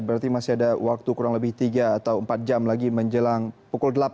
berarti masih ada waktu kurang lebih tiga atau empat jam lagi menjelang pukul delapan